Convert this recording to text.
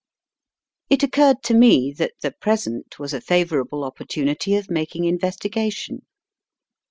It occurred to me that the present was a favourable opportunity of making in vestigation.